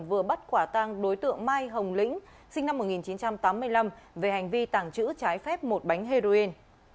vừa bắt quả tang đối tượng mai hồng lĩnh sinh năm một nghìn chín trăm tám mươi năm về hành vi tàng trữ trái phép một bánh heroin